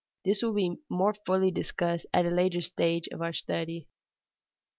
This will be more fully discussed at a later stage of our study.